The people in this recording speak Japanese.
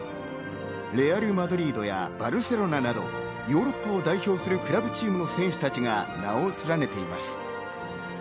レアル・マドリードやバルセロナなどヨーロッパを代表するクラブチームの選手たちが名を連ねています。